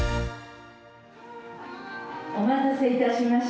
お待たせいたしました。